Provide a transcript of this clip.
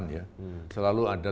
sembilan puluh delapan ya selalu ada